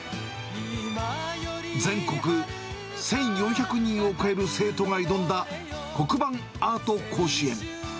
全国１４００人を超える生徒が挑んだ黒板アート甲子園。